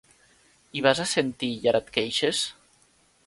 Hi vas assentir i ara et queixes?